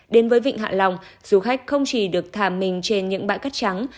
đến với vịnh hạ long du khách không chỉ được thả mình trên những bãi cát trắng